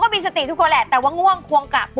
เกี่ยวกับน้ำ